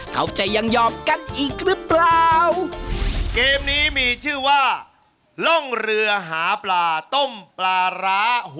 เขาจะยังยอมกันอีกหรือเปล่า